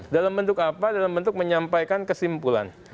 dalam bentuk apa dalam bentuk menyampaikan kesimpulan